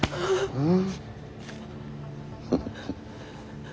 うん？